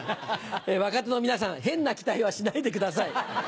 若手の皆さん変な期待はしないで下さい。